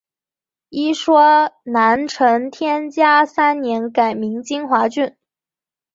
一说南陈天嘉三年改名金华郡。